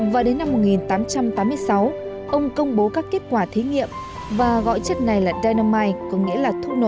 và đến năm một nghìn tám trăm tám mươi sáu ông công bố các kết quả thí nghiệm và gọi chất này là donamit có nghĩa là thuốc nổ